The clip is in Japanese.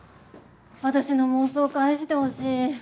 私の妄想返してほしい！